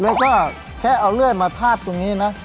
แล้วก็แค่เอาเลื่อยมาทาบตรงนี้นะ